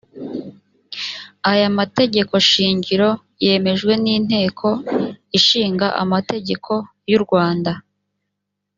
aya mategeko shingiro yemejwe n inteko ishinga amategeko y urwanda